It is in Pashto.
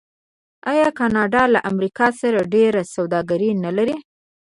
آیا کاناډا له امریکا سره ډیره سوداګري نلري؟